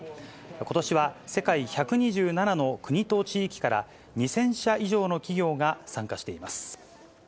ことしは世界１２７の国と地域から、２０００社以上の企業が参加